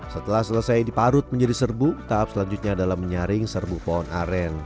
setelah selesai diparut menjadi serbu tak ashamednya dalam menyaring serbu pohon aren